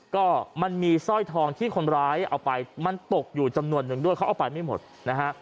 ก็มันมีสร้อยทองที่คนร้ายเอาไปมันตกอยู่จำนวนนึงด้วยเขาเอาไปไม่หมดนะฮะ